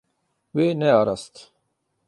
Wê nearast.